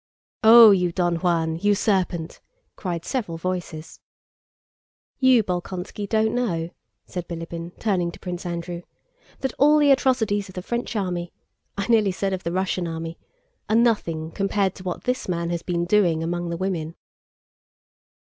"Oh, you Don Juan! You serpent!" cried several voices. "You, Bolkónski, don't know," said Bilíbin turning to Prince Andrew, "that all the atrocities of the French army (I nearly said of the Russian army) are nothing compared to what this man has been doing among the women!"